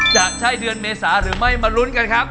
จะใช่เดือนเมษาหรือไม่มาลุ้นกันครับ